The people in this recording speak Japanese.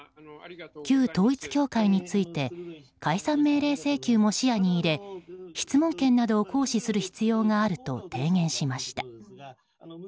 旧統一教会について解散命令請求も視野に入れ質問権などを行使する必要があると提言しました。